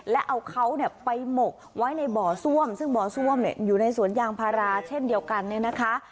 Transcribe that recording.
และเอาเขาเนี่ยไปหมกไว้ในบ่อซ่วมซึ่งบ่อซ่วมอยู่ในสวนยางพาราเช่นเดียวกันเนี่ยนะคะ